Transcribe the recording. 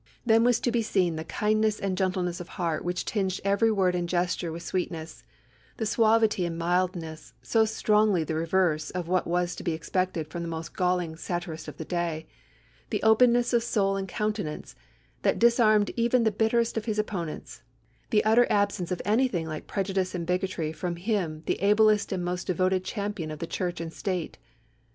Then was to be seen the kindness and gentleness of heart which tinged every word and gesture with sweetness; the suavity and mildness, so strongly the reverse of what was to be expected from the most galling satirest of the day; the openness of soul and countenance, that disarmed even the bitterest of his opponents; the utter absence of anything like prejudice and bigotry from him the ablest and most devoted champion of the Church and State.